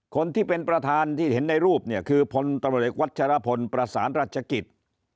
คนที่เป็นประธานที่เห็นในรูปเนี่ยคือพตวชประสานราชกิจ